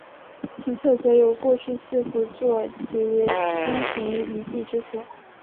其侧则有过去四佛坐及经行遗迹之所。